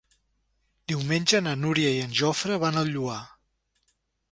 Diumenge na Núria i en Jofre van al Lloar.